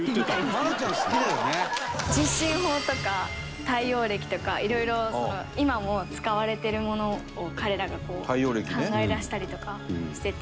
芦田：十進法とか、太陽暦とかいろいろ、今も使われてるものを彼らが考えだしたりとかしてて。